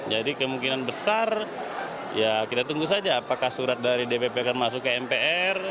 jadi kemungkinan besar ya kita tunggu saja apakah surat dari dpp akan masuk ke mpr